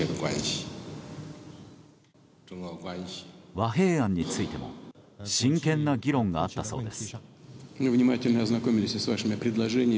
和平案についても真剣な議論があったそうです。